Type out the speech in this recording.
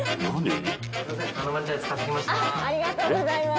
ありがとうございます。